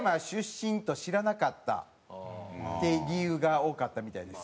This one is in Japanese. はい。って理由が多かったみたいです。